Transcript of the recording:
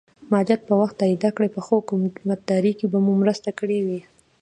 مالیات په وخت تادیه کړئ په ښه حکومتدارۍ کې به مو مرسته کړي وي.